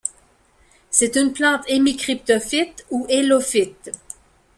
C'est une plante hemicryptophyte ou hélophyte.